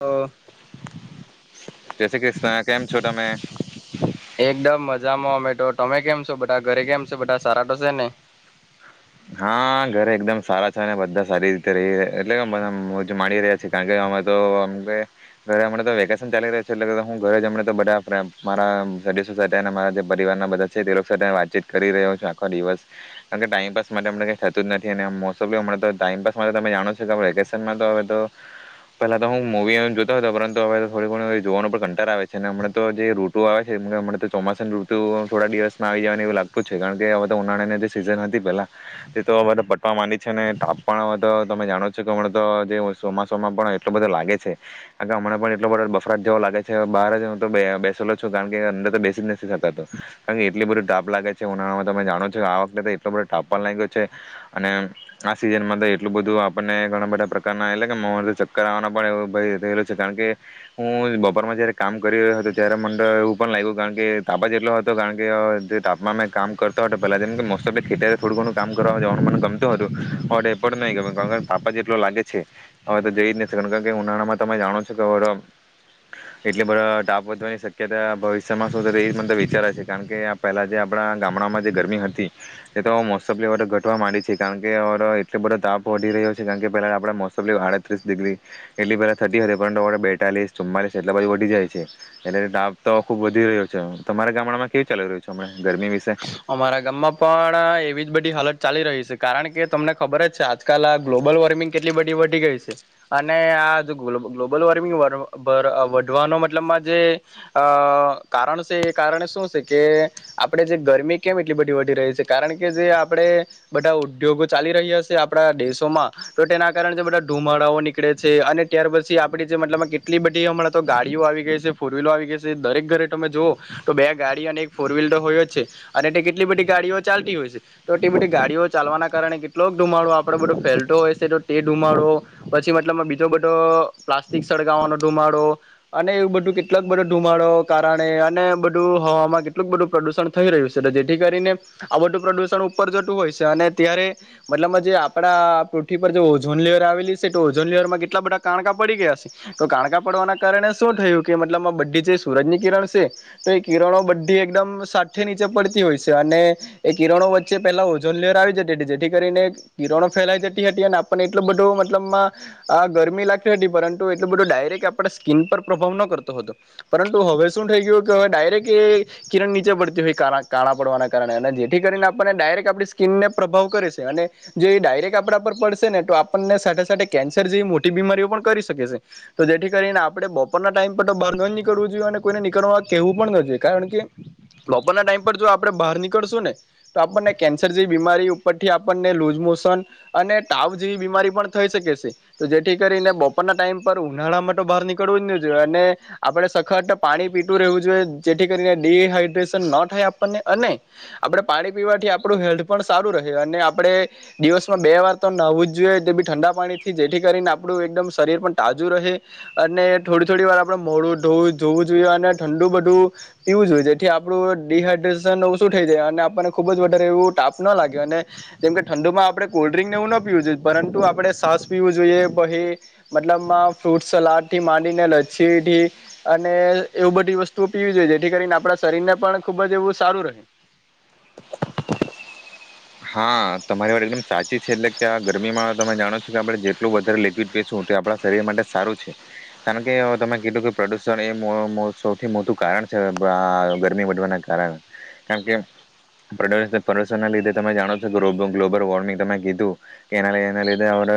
તો જય શ્રી કૃષ્ણ કેમ છો તમે? જામોમેટો તમે કેમ છો બધા ઘરે કેમ છો બધા સારા તો છે ને? હા ઘરે એકદમ સારા છે અને બધા સારી રીતે રહી એટલે કે મોજ માણી રહ્યા છે કારણ કે અમે તોમ, ઘરે હમ તો વેકેશન ચાલી રહ્યા છે એટલે હમણાં ઘરેમ તો બધા મારા સદસ્ય મારા પરિવાર ના બધા છે તે લોકો સાથે વાતચીત કરી રહ્યો છું આખો દિવસ, કારણ કે ટાઈમ પાસ માટે અમને કંઈ થતું જ નથી અને મોસ્ટફલી હણા તો ટાઈમપાસમાં તો તમે જાણો છ કે વેકેશનમાં તો હવે તો, પહેલા તો હું મૂવી જોતો હતો પરંતુ હવે થોડી ઘણું જોવાનું પણ કંટાણો આવે છે અને હમણા તો જે ઋતુ આવે છે હમણાં તો ચોમાસાની ઋતુ થોડા દિવસમાં આવી જવાની એવું લાગતું છે કારણ કે હવે તો ઉનાળાની જે સીઝન હતી પેલા. તે તો બધ પટવા માંડી છે ને તાપ પણ હવે તો તમે જાણો છો કે હમણાં તો જે ચોમાસા ચોમાસામાં પણ એટલો બધો લાગે છે, કાર કે હમણા પણ એટલો બધો બફરાત જેવો લાગે છે બહાર જ હું તો બેસેલો છું કારણ કે અંદર તો બેસી જ નથી શકાતાતો, કારણ કે એટલી બધું તાપ લાગે છે ઉનાળામાં તમે જાણો છો કે આ વખતે એટલો બધો તાપ પણ લાગતો છે, અને આ સિઝનમાં તો એટલું બધું આપણને ઘણા બધા પ્રકારના એટલે કે ચક્કર આવવાના પણ એવ ભય રહેલો છે કારણ કે, હું બપોરમાં જયારે કામ કરી રહ્યો હતો ત્યારે મને એવું પણ લાગ્યું કારણ કે તાપ જ એટલો હતો કારણ કે જે તાપમાં મેં કામ કરતો હતો પહેલા જેમ કે મોસ થોડું ઘણું કામ કરવા જવાનું મને ગમતું હતું, હવે એ પણ નહીં ગમેં કારણ તાપ જેટલો લાગે છે હવે તો જઈ જ નહી શકાર કારણ કે ઉનાળામાં તમે જાણો છો કે એટલી બધા, તાપ વધવાની શક્યતા ભવિષ્યમાં શું થ એ મને વિચારે છે કારણ કે પહેલા જે આપણા ગામડામાં જે ગરમી હતી. એ તો મોસ્ટ ઓફલી તો ઘટવા માંડી છે કારણ કે એટલો બધો તાપ વધી રહ્યો છે કારણ કે પહેલાં આપણા મોસમ આડત્રીસ ડિગ્રી, એટલી પહેલાં થતી હતી પરંતુ બેતાલીસ ચુમ્માલીસ એટલા બધું વધી જાય છે, એટલે તાપ તો ખૂબ વધી રહ્યો છે, તમારા ગામડામાં કેવું ચાલી રહ્યું છે આપણા ગરમી વિશે અમારા ગામમાં પણ એવી જ બધી હાલત ચાલી રહી છે કારણ કે તમને ખબર જ છે આજકાલ આ ગ્લોબલ વોર્મિંગ કેટલી બધી વધી ગઈ છે, અને આ ગ્લોબલ વોર્મિંગ વધવાનો મતલબમાં જે, અ કારણ છે એ કારણે શું છે કે આપણે જે ગરમી કેમ એટલી બધી વધી રહી છે કારણ કે જે આપડે, બધા ઉદ્યોગો ચાલી રહ્યા છે આપડા દેશોમાં, તો તેના કારણે જે બધા ધુમાડાઓ નીકળે છે અને ત્યાર પછી આપડી જે મતલબમાં કેટલી બધી હમણાં તો ગાડીઓ આવી ગઈ છે ફોર વ્હીલો આવી ગઈ છે દરેક ઘરે તમે જુઓ, તો બે ગાડી અને એક ફોર વ્હીલર હોય જ છે અને તે કેટલી બધી ગાડીઓ ચાલતી હોય છે, તો એટલી બધી ગાડીઓ ચાલવાના કારણે કેટલોક ધુમાડો આપણે બધો ફેલતો હોય છે તો તે ધુમાડો, પછી મતલબમાં બીજો બધો પ્લાસ્ટિક સળગાવવાનો ધુમાડો, અને એવું બધું કેટલોક બધો ધુમાડો કારણે અને બધું હવામાં કેટલુંક બધું પ્રદૂષણ થઈ રહ્યું છે જેથી કરીને, આ બધું પ્રદુષણ ઉપર જતું હોય છે અને ત્યારે, મતલબમાં જે આપડા પૃથ્વી પર જે ઓઝોન લેયર આવેલી છે તો ઓઝોન લેયર માં કેટલા બધા કાણકા પડી ગયા છે, તો કાણકા પડવાના કારણે શું થયું કે મતલબ બધી જે સૂરજ ની કિરણ છે, તો એ કિરણો બધી એકદમ સાથેની પડતી હોય છે અને, એ કિરણો વચ્ચે પેલા ઓજન લેયર આવી જતી હતી જેથી કરીને કિરણો ફેલાઈ જતી હતી અને આપણને એટલું બધો મતલબમાં, આ ગરમી લાગતી હતી પરંતુ એટલું બધું ડાયરેક્ટ આપણે સ્કીિન પર પ્રભાવ ન કરતો હતો, પરંતુ હવે શું થઈ ગયું કે હવે ડાયરેક્ટ એ કિરણ નીચે પડતી હોય કાણા પડવાના કારણે અને જેથી કરીને આપણને ડાયરેક્ટ આપણી સ્કીિનને પ્રભાવ કરે છે અને, જો એ ડાયરેક્ટ આપણા પર પડશે ને તો આપણને સાથે સાથે કેન્સર જેવી મોટી બીમારીઓ પણ કરી શકે છે, તો જેથી કરીને આપણે બપોરના ટાઈમ પર તો બહાર ન નીકળવું જોઈએ અને કોઈને નીકળવા કેહેવું પણ ન જોઈએ કારણ કે બ બપોરના ટાઈમ પર જો આપણે બહાર નીકળશું ને, તો આપણને કેન્સર જેવી બીમારી ઉપરથી આપણને લુઝ મોશન, અને તાવ જેવી બીમારી પણ થઈ શકે છે, તો જેથી કરીને બપોરના ટાઈમ પર ઉનાળા માટે બહાર નીકળવું જ નહી જોઈએ, અને આપણે સખત પાણી પીતું રહેવું જોઈએ જેથી કરીને ડડીહાઈડ્રેેશન ન થાય આપને અને, આપણે પાણી પીવાથી આપણું હેલ્થ પણ સારું રહે અને આપણે, દિવસમાં બે વાર તો નવું જ જોઈએ તે બી ઠંડા પાણીથી જેથી કરીને આપણું એકદમ શરીર પણ તાજું રહે, અને થોડી થોડી વાર આપડ મોઢું જોવું જોઈએ અને ઠંડું બધું, પીવું જોઈએ જેથી આપણું ડડીહાઈડ્રેશન ઓછું થઈ જાય અને આપણને ખૂબ જ વધારે એવું તાપ ન લાગે અને, જેમ કે ઠંડુમાં આપણે કોલ્ડ્રિંકને એવું ન પીવું જોઈએ પરંતુ આપણે સાસ પીવું જોઈએ પહી, મતલબમાં ફ્રૂટ સલાડથી માંડીને લચ્છીથી, અને એવું બધી વસ્તુઓ પીવી જોઈએ જેથી કરીને આપણા શરીર ને પણ ખૂબ જ એવું સારું રહે હા તમારી વાત એકદમ સાચી છે એટલે કે આ ગરમીમાં તમે જાણો છો કે આપણે જેટલું વધારે લિક્વિડ પીશું તે આપણા શરીર માટે સારું છે, કારણ કે તમે કીધું કે પ્રદુષણ એ સૌથી મોટું કારણ છે આ ગરમી વધવાના કારણે, કારણ કે પ્રદુષણના લીધે તમે જાણો છો ગ્લોબ ગ્લોબલ વોર્મિંગ તમે કીધું કે, એના લધે એના લીધે આપણે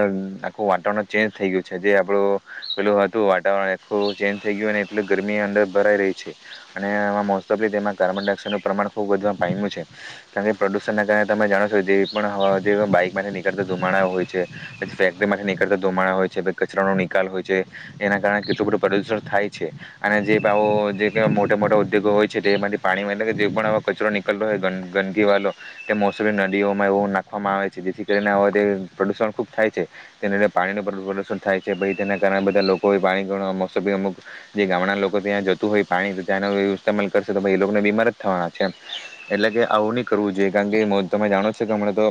આખું વાતાવરણ ચેન્જ થઈ ગયું છે જે આપણું, પેલું હતું વાતાવરણ આખું ચેન્જ થઈ ગયું અને એટલ ગરમી અંદર ભરાઈ રહી છે, અનેમાં મોસ્ટ ઓફલી તેમાં કાર્બન ડાયોક્સાઇડનું પ્રમાણ ખૂબ વધવા પામ્યું છે, કારણ કે પ્રદૂષણના કારણે તમે જાણો છો જે પણ હવા જે બાઈક માટે નીકળતા ધુમાડા હોય છે, પછી ફેક્ટરી માટે નીકળતા ધુમાડા હોય છે પછી કચરાનો નિકાલ હોય છે, એના કારણે કેટલું બધું પ્રદૂષણ થાય છે, અને જે આવો જે કઈ મોટા મોટા ઉદ્યોગો હોય છે તેમાંથી પાણીમાં એટલે કે જે પણ કચરો નીકળતો હોય ગંદકીવાળો તે મોસબી નદીઓમાં એવું નાખવામાં આવે છે જેથી કરીને હવે તે પ્રદૂષણ ખૂબ થાય છે, તેને લીધે પાણીનું પ્રદુષણ થાય છે ભાઈ તેના કારણે બધા લોકો એ પાણી મોસમી અમુક, જે ગામડાં લોકો ત્યાં જતું હોય પાણી ત્યાંનો ઇસ્તેમાલ કરશે તો ભ એ લોકોને બીમાર જ થવાના છે, એટલે કે આવું નહીં કરવું જોઈએ કે કારણ કે તમે જાણો છો કે હમણાં તો,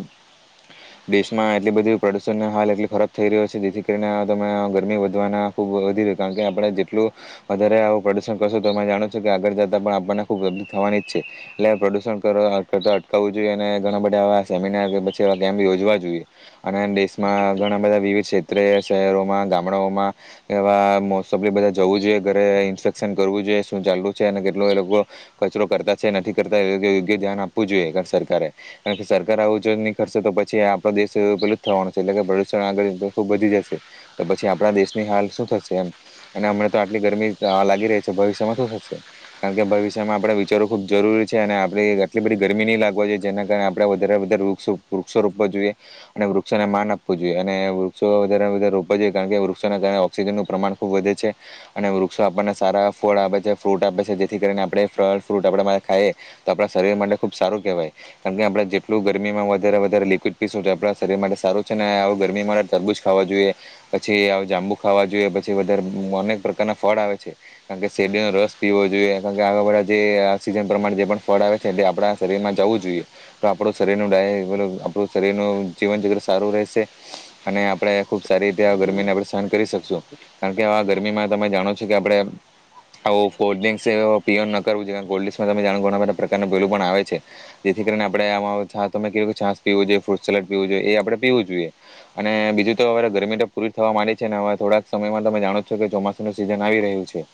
દેશમાં એટલી બધી પ્રદુષણ હાલ એટલી ખરાબ થઈ રહ્યો છે જેથી કરીને તમે ગરમી વધવાના ખૂબ વધી રહ્યું કારણ કે આપણે જેટલું, વધારે આવું પ્રદુષણ કરશું તો તમે જાણો છો કે આગળ જતા પણ આપણને ખૂબ ગરમી થવાની જ છે, એટલે પ્રદુષણ કરતા કરવું જોઈએ અને ઘણા બધા એવા સેમિનાર કે પછી એવા કેમ્પ યોજવા જોઈએ, અને દેશમાં ઘણા બધા વિવિધ ક્ષેત્રે શહેરોમાં ગામડાઓમાં, એવા મોસ્ટફલી બધા જવું જોઈએ ઘરે ઇન્સ્પેક્શન કરવું જોઈએ શું ચાલવું છે અને કેટલો એ લોકો, કચરો કરતા છે નથી કરતા એ યોગ્ય ધ્યાન આપવું જોઈએ સરકારે, કારણ કે સરકાર આવું નહી કરશે તો પછી આપણો દેશ પેલું જ થવાનો છે એટલે પ્રદુષણ આગળ ખુબ વધી જશે, તો પછી આપણા દેશની હાલ શું થશે એમ, અને હમને તો આટલી ગરમી લાગી રહી છે ભવિષ્યમાં શું થશે, કારણ કે ભવિષ્યમાં આપણે વિચારવું ખુબ જરૂરી છે અને આપણી આટલી બધી ગરમી નહી લાગ જેને જેના કારણે આપણે વધારે વધારે વૃક્ષો વૃક્ષો રોપવો જોઈએ, અને વૃક્ષોને માન આપવું જોઈએ અને વૃક્ષો વધારે વધારે રોપવા જોઈએ કારણ કે વૃક્ષોને કારણે ઓક્સિજનનું પ્રમાણ ખૂબ વધે છે, અને વૃક્ષો આપણને સારા ફળ આપે છે ફ્રૂટ આપે છે જેથી કરીને આપણે ફળ ફ્રૂટ આપણે ખાઈએ, તો આપણા શરીર માટે ખૂબ સારું કહેવાય કારણ કે આપણે જેટલું ગરમીમાં વધારે વધારે લિકવિડ પીશું આપણા શરીર માટે સારું છે ને આવા ગરમીમાં તરબૂજ ખાવા જોઈએ, પછી આવ જાંબુ ખાવા જોઈએ પછી વધારે અનેક પ્રકારના ફળ આવે છે, કારણ કે શેરડીનો રસ પીવો જોઈએ કારણ કે આ બધા જે ઓક્સિજન પ્રમાણે જે ફળ આવે છે તે આપણા શરીરમાં જવું આપણા શરીરનું ડાય આપણું શરીરનું જીવન જગ્ર સારું રહેશે, અને આપણે ખુબ સારી રીતે ગરમીને આપણે સહન કરી શકશું કારણ કે આવા ગરમીમાં તમે જાણો છો કે આપણે આવું કોલ્ડ ડ્રિન્ક્સ પીવન ન કરવું જોઈએ કોલ્ડ ડ્રિન્ક્સમાં તમે જાણો ઘણા બધા પ્રકારનું પેલું પણ આવે છે જેથી કરીને આપણે આમાં છે તમે કીધું કે છાસ પીવું જોઈએ ફ્રૂટ સલાડ પીવું જોઈએ એ આપણે પીવું, જોઈએ અને બીજું તો વળી ગરમી તો પૂરી થવા માંડી છે ને હવે થોડાક સમયમાં તમે જાણો છો કે ચોમાસુંનું સિઝન આવી રહ્યું છે,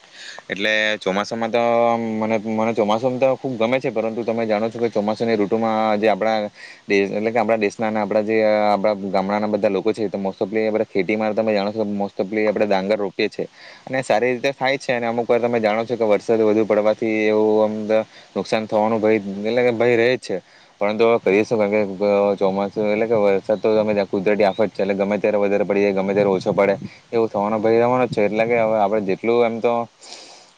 એટલે ચોમાસામાં તો મને મને ચોમાસુંમાં તો ખૂબ ગમે છે પરંતુ તમે જાણો છો કે ચોમાસુંની ઋતુમાં જે આપણા, દેશ એટલે કે આપણા દેશના અને આપણા જે આપણા ગામડાના બધા લોકો છે મોસ્ટ ઓફલી આપણે ખેતીમાં તમે જાણો છો મોસ્ટ ઓફલી આપણે ડાંગર રોપએ છીએ, અને સારી રીતે થાય જ છે અને અમુક વાર તમે જાણો છો કે વરસાદ વધુ પડવાથી એવું અમ, નુકસાન થવાનું ભય એટલે કે ભય રહે જ છે, પરંતુ હવે કહિશ કારણ કે ચોમાસું એટલે કે વરસાદ તો ત કુદરતી આફત છે એટલે ગમે ત્યારે વધારે પડી જાય ગમે ત્યારે ઓછો પડે, એવું થવાનો ભય રે જ છે એટલે કે આપણે જેટલું એમ તો,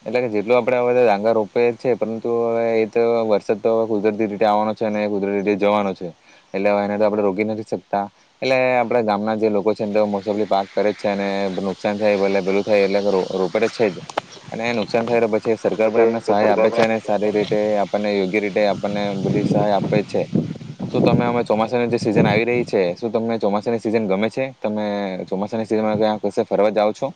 એટલે કે જેટલુ આપણે ડાંગર રોપીએ છે પરંતુ હવે એ તો વરસાદ તો કુદરતી રીતે આવવાનો છે અને કુદરતી રીતે જવાનો છે, એટલે એને તો આપડણે રોકી નથી શકતા, એટલે આપડા ગામના જે લોકો છેને તો મોસફલી પાક કરે જ છે અને નુકસાન થાય પલે પેલું થાય એટલે રોપડ જ છે જ, અને નુકસાન થાય સરકાર પણ એમને સહાય આપે છે અને સારી રીતે યોગ્ય રીતે આપ આપને બધી સહાય આપે છે શું તમે ચોમાસાની જે સીઝન આવી રહી છે શું તમને ચોમાસાની સિઝન ગમે છે તમે ચોમાસાની સિઝન ક્યાં કશે ફરવા જાવ છો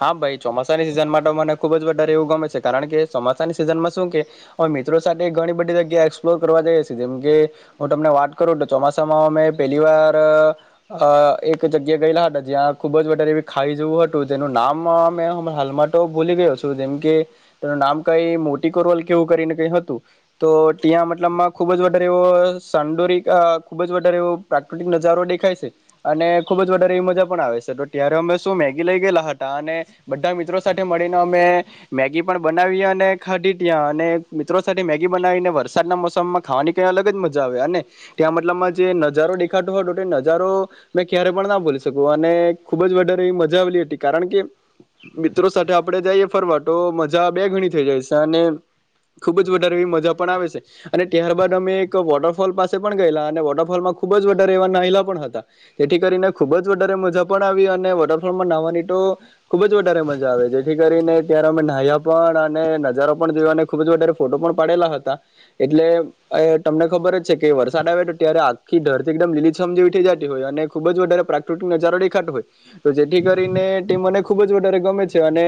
હા ભાઈ ચોમાસાની સીઝનમાં તો મને ખુબ જ એવું ગમે છે કારણ કે ચોમાસાની સિઝનમાં શું કે અ મિત્રો સાથે ઘણી બધી જગ્યા એક્સપ્લોર કરવા જઈએ જેમ કે હું તમને વાત કરું તો ચોમાસામાં અમે પેલી વાર એક જગ્યા ગયેલા હતા જ્યાં ખુબ જ વધારે એ ખાઈ જવું હતું તેનું નામ અ હાલમાં તો ભૂલી ગયો છું જેમ કે તેનું નામ કઈ મોટીકોરવલ કેવું કરીને કઈ હતું તો ત્યાં મતલબમાં ખુબ જ વધારે એવો સાંદોરિ ખુબ જ વધારે એવો પ્રાકૃતિક નજારો દેખાય છે અને ખુબ જ વધારેવી મજા પણ આવે છે તો ત્યારે અમે શું મેગી લઇ ગયેલા બધા મિત્રો સાથે મળીને અમે મેગી પણ બનાવી અને ખાધી ત્યાં અને મિત્રો સાથે મેગી બનાવીને વરસાદના મોસમમાં ખાવાની કઈ અલગ જ મજા આવે અને ત્યાં મતલબમાં જે નજારો દેખાતો હતો નજારો મેં ક્યારે પણ ના ભોલી શકું અને ખુબ જ વધારે મજા આવેલી હતી કારણ કે મિત્રો સાથે આપણે જઈએ ફરવા તો મજા બે ગણી થઈ જાય છે અને ખુબ જ વધારે એવી મજા પણ આવે છે અને ત્યારબાદ અમે એક વોટરફોલ પાસે પણ ગયેલા અને વોટરફોલમાં ખુબ જ વધારે એવા નાહયલા પણ હતા તેથી કરીને ખૂબ જ વધારે મજા પણ આવી અને વોટરફોલમાં નાહવાની તો ખુબ જ વધારે મજા આવે જેથી કરીને ત્યારે અમે નાહ્યા પણ અને નજારો પણ જોયો અને ખુબ જ વધારે ફોટો પણ પાડેલા હતા એટલે તમને ખબર છે કે વરસાદ આવે તો ત્યારે આખી ધરતી એકદમ લીલીછમ જેવી થઈ જતી હોય અને ખુબ જ વધારે પ્રાકૃતિક નજારો દેખાતો હોય તો જેથી કરીને મને ખુબ જ વધારે ગમે છે અને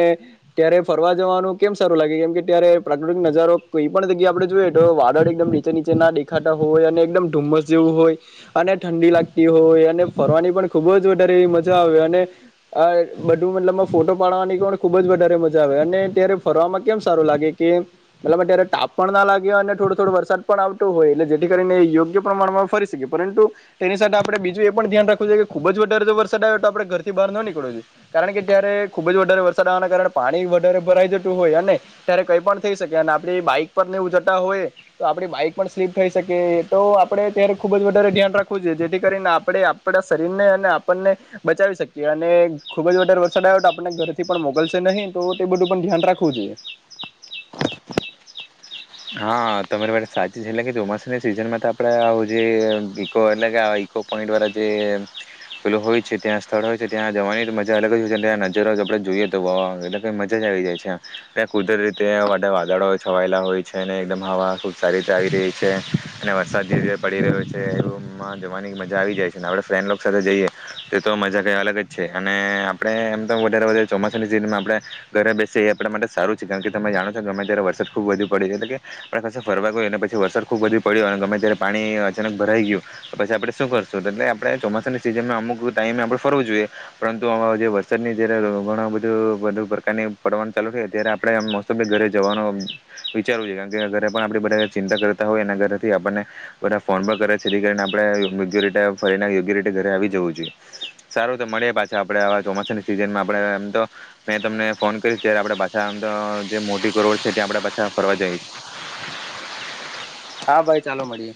ત્યારે ફરવા જવાનું કેમ સારું લાગે કેમ કે ત્યારે પ્રાકૃતિક નજારો કોઈ પણ જગ્યા આપણે જોઈએ તો વાદળ એકદમ નીચે નીચેના દેખાતા હોય અને એકદમ ધુમ્મસ જેવું હોય અને ઠંડી લાગતી હોય અને ફરવાની પણ ખુબ જ વધારે એવી મજા આવે અને બધું મતલબમાં ફોટો પાડવાની ખુબ જ વધારે મજા આવે અને ત્યારે ફરવામાં કેમ સારું લાગે કે મતલ અત્યારે તાપ પણ ના લાગ્યો અને થોડો થોડો વરસાદ પણ આવતો હોય એટલે જેથી કરીને યોગ્ય પ્રમાણમાં ફરી શકીએ પરંતુ તેની સાથે આપડે બીજું એ પણ ધ્યાન રાખવું જોએ કે ખુબ જ વધારે જો વરસાદ આવે તો આપણે ઘરથી બહાર ન નીકળવું જોઈએ કારણ કે જયારે ખુબ જ વધારે વરસાદ આવવાના કારણે પાણી વધારે ભરાઈ જતું હોય અને ત્યારે કઈ પણ થઈ શકે અને આપણી બાઈક પર ને એવું જતા હોય તો આપણી બાઈક પણ સ્લીપ થઈ શકી એ તો આપણે ત્યારે ખૂબ જ વધારે ધ્યાન રાખવું જોઈએ જેથી કરીને આપણે આપણા શરીરને અને આપણને બચાવી શકીએ અને ખુબ જ વધારે વરસાદ આવ્યો તો આપને ઘરેથી પણ મોકલશે નહી તો એ બધું પણ ધ્યાન રાખવું જોઈએ હા તમારી સાચી છે એટલે કે ચોમાસાુંની સિઝનમાં તો આપડે આવું જે ઇકો એટલે કે ઇકો પોઈન્ટ વાળા જે પેલું હોય છે ત્યાં સ્થળ હોય છે ત્યાં જવાની તો મજા અલગ જ હોય છે ત્યાં નજરો આપડે જોઈએ તો વાહ એટલે મજા જ આવી જાય છે ત્યા કુદરતી રીતે વાદળો હોય છવાયેલા હોય છે અનેને એકદમ હવા ખૂબ સારી રીતે આવી રહી છે અને વરસાદ જે પડી રહ્યો છે એ રમવા જવાની મજા આવી જાય છે અને આપણે ફ્રેન્ડ લોકો સાથે જઈએ તો મજા કંઈ અલગ જ છે અને આપણે એમ તોમ વધારે વધારે ચોમાસાની સિઝનમાં આપણે ઘરે બેસીએ એ આપણા માટે સારું છે કારણ કે તમે જાણો છો ગમે ત્યારે વરસાદ ખૂબ વધુ એટલે કે આપડે ફરવા ગઈ પછી વરસાદ ખુબ બધી પડ્યો અને ગમે ત્યારે પાણી અચાનક ભરાઈ ગયું પછી આપણે શું કરશું એટલે આપણે ચોમાસાની સીઝનમાં અમુક ટાઈમે આપડે ફરવો જોઈએ પરંતુ વરસાદની જયારે ઘણું બધું પ્રકારની પડવાનું ચાલુ થાય ત્યારે આપણે ઘરે જવાનો વિચારવું જોઇએ કારણ ઘરે પણ આપણી પણ બધા ચિંતા કરતા હોય એના ઘરેથી આપણને બધા ફોન પણ કરિને કરીને આપડે ફરીને યોગ્યા રીતે ઘરે આવી જવું જોઈએ સારું તો મળીએ પાછા આપડે ચોમાસાની સિઝનમાં આપડે તો મેં તમને ફોન કરીશ ત્યારે આપડે પાછા જે મોટી કરોડ છે ત્યાં આપડે અહ ફરવા જઈશ હા ભાઈ ચાલો મળીએ